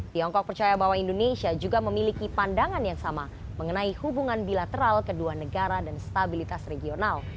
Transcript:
tiongkok percaya bahwa indonesia juga memiliki pandangan yang sama mengenai hubungan bilateral kedua negara dan stabilitas regional